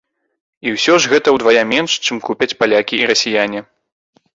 І ўсё ж гэта ўдвая менш, чым купяць палякі і расіяне.